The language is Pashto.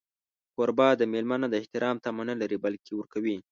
کوربه د مېلمه نه د احترام تمه نه لري، بلکې ورکوي.